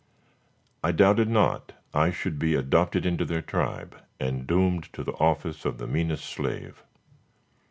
I doubted not I should be adopted into their tribe, and doomed to the office of the meanest slave.